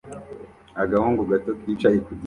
Agahungu gato kicaye ku giti